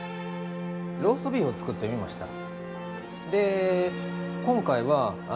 ローストビーフを作ってみました。